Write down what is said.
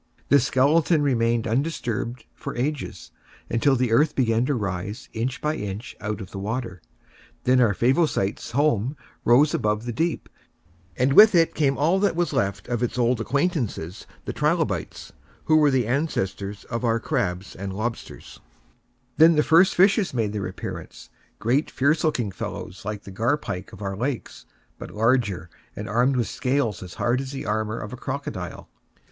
This skeleton remained undisturbed for ages, until the earth began to rise inch by inch out of the water. Then our Favosites' home rose above the deep, and with it came all that was left of its old acquaintances the Trilobites, who were the ancestors of our crabs and lobsters. [Illustration: Trilobite] Then the first fishes made their appearance, great fierce looking fellows like the gar pike of our lakes, but larger, and armed with scales as hard as the armour of a crocodile.